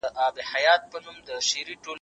څنګه ژبه هویت ساتي؟